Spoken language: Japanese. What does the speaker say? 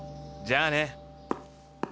じゃあね。